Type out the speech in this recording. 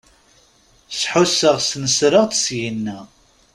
Sḥusseɣ snesreɣ-d syina.